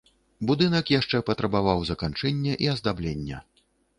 Будынак яшчэ патрабаваў заканчэння і аздаблення.